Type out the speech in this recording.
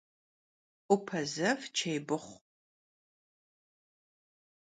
'Upe zev cêy bıxhu.